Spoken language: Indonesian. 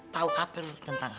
tau apa lu tentang abah